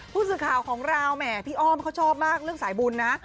ผู้สื่อข่าวของเราแหมพี่อ้อมเขาชอบมากเรื่องสายบุญนะ